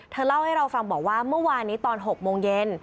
เล่าให้เราฟังบอกว่าเมื่อวานนี้ตอน๖โมงเย็น